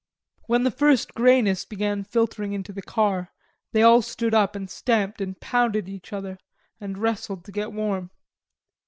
When the first greyness began filtering into the car, they all stood up and stamped and pounded each other and wrestled to get warm.